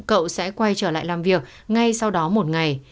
cậu sẽ quay trở lại làm việc ngay sau đó một ngày